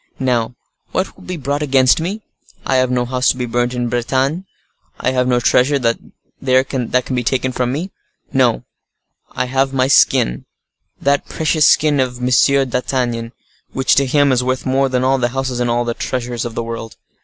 Now, what will be brought against me? I have no house to be burnt in Bretagne; I have no treasure there that can be taken from me.—No; but I have my skin; that precious skin of M. d'Artagnan, which to him is worth more than all the houses and all the treasures of the world.